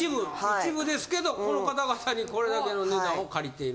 一部ですけどこの方々にこれだけの値段を借りている。